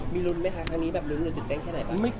มีรุนไหมคะครั้งนี้รุนหรือตื่นเต้นแค่ไหนครับ